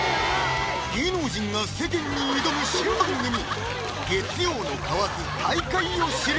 ⁉芸能人が世間に挑む新番組「月曜の蛙、大海を知る。」